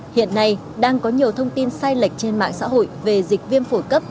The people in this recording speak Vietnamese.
hiện nay đang có nhiều thông tin sai lệch trên mạng xã hội về dịch viêm phổi cấp